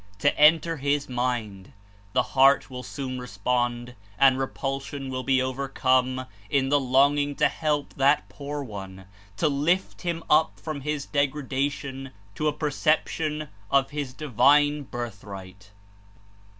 to enter his mind, the heart will soon respond and repulsion will be overcome In the longing to help that poor one, to lift him up from his degradation to a perception of his divine birthright.